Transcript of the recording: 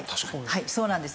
はいそうなんです。